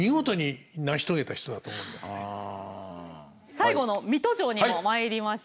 最後の水戸城にもまいりましょう。